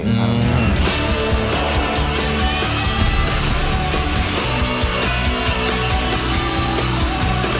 โอ้โหโอ้โหโอ้โหโอ้โหโอ้โห